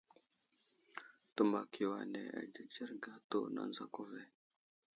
Təmbak yo ane adzədzerge atu, nənzako ve.